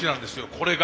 これが。